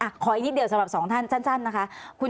ขออีกนิดเดียวสำหรับสองท่านสั้นนะคะ